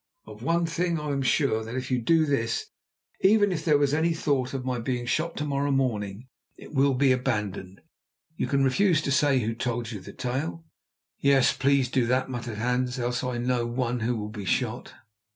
Of one thing I am sure, that if you do this, even if there was any thought of my being shot tomorrow morning, it will be abandoned. You can refuse to say who told you the tale." "Yes, please do that," muttered Hans, "else I know one who will be shot."